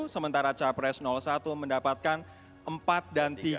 sementara capres satu mendapatkan empat dan tiga